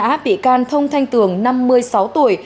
quân đã bị can thông thanh tường năm mươi sáu tuổi